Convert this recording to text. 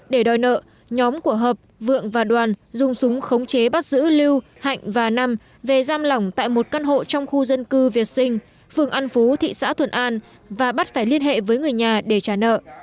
để đòi nợ nhóm của hợp vượng và đoàn dùng súng khống chế bắt giữ lưu hạnh và năm về giam lỏng tại một căn hộ trong khu dân cư việt sinh phường an phú thị xã thuận an và bắt phải liên hệ với người nhà để trả nợ